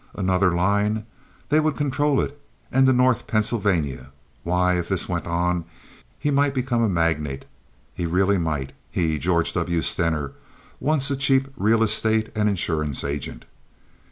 Another line! They would control it and the North Pennsylvania! Why, if this went on, he might become a magnate—he really might—he, George W. Stener, once a cheap real estate and insurance agent.